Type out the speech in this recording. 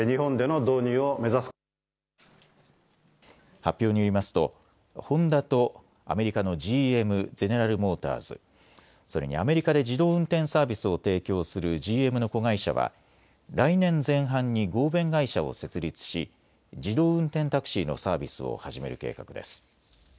発表によりますとホンダとアメリカのＧＭ・ゼネラルモーターズ、それにアメリカで自動運転サービスを提供するＧＭの子会社は来年前半に合弁会社を設立し自動運転タクシーのサービスを始める計画です。